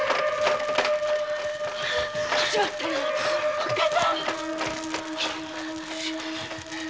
おっかさん！